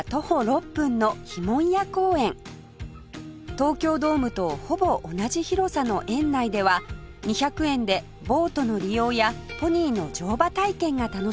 東京ドームとほぼ同じ広さの園内では２００円でボートの利用やポニーの乗馬体験が楽しめます